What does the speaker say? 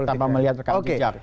tanpa melihat rekan jejak